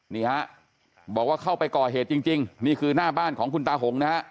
นี่ฮะบอกว่าเข้าไปก่อเหตุจริงนี่คือหน้าบ้านของคุณตาหงนะฮะ